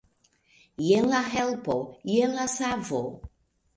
Jen la helpo, jen la savo!